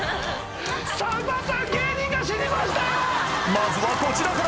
［まずはこちらから］